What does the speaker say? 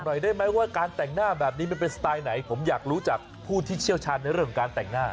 หน่อยได้ไหมว่าการแต่งหน้าแบบนี้มันเป็นสไตล์ไหนผมอยากรู้จากผู้ที่เชี่ยวชาญในเรื่องของการแต่งหน้า